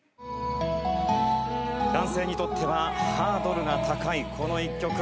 男性にとってはハードルが高いこの一曲。